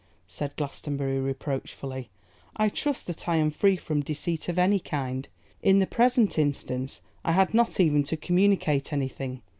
said Glastonbury reproachfully, 'I trust that I am free from deceit of any kind. In the present instance I had not even to communicate anything.